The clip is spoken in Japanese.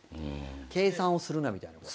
計算をするなみたいなこと？